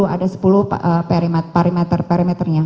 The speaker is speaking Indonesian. ada sepuluh parameter parameternya